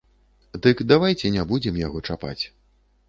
Дык давайце не будзем яго чапаць.